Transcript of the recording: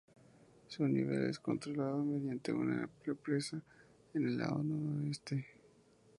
Su nivel es controlado mediante una represa en el lado noroeste.